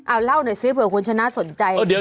เอาเล่าหน่อยซิเผื่อคุณชนะสนใจ